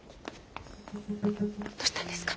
どしたんですか？